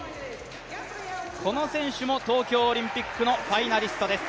この選手も東京オリンピックのファイナリストです。